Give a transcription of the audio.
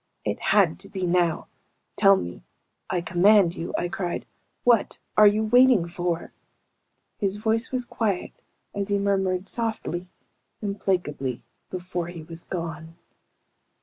It had to be now! "Tell me. I command you," I cried. "What are you waiting for?" His voice was quiet as he murmured, softly, implacably, before he was gone.